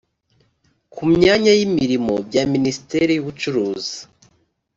ku myanya y imirimo bya minisiteri y ubucuruzi